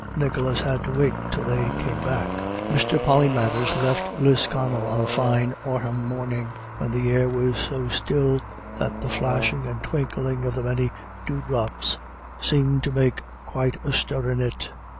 Nicholas had to wait till they came back. Mr. Polymathers left Lisconnel on a fine autumn morning, when the air was so still that the flashing and twinkling of the many dewdrops seemed to make quite a stir in it.